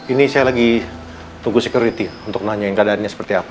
ini saya lagi tunggu security untuk nanyain keadaannya seperti apa